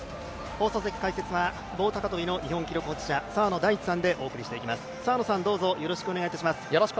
放送席解説は棒高跳の日本記録保持者澤野大地さんでお送りしてまいります。